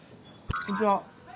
・こんにちは！